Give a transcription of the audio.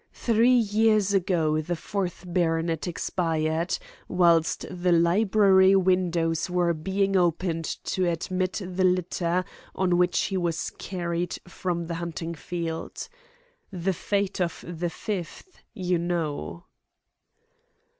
Three years ago the fourth baronet expired whilst the library windows were being opened to admit the litter on which he was carried from the hunting field. The fate of the fifth you know."